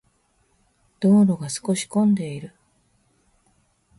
道路が少し混んでいる。